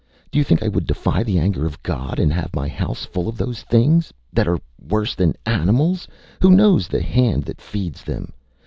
Do you think I would defy the anger of God and have my house full of those things that are worse than animals who know the hand that feeds them?